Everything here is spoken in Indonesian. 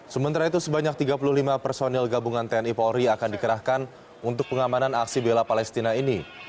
sementara itu sebanyak tiga puluh lima personil gabungan tni polri akan dikerahkan untuk pengamanan aksi bela palestina ini